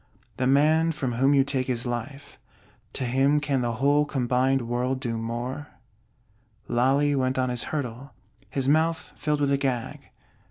The man from whom you take his Life, to him can the whole combined world do more? Lally went on his hurdle; his mouth filled with a gag.